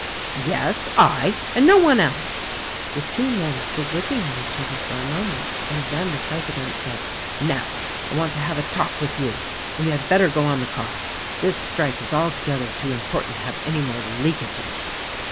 "Yes, I; and no one else!" The two men stood looking at each other for a moment and then the president said: "Now, I want to have a talk with you. We had better go on the car. This strike is altogether too important to have any more leakages."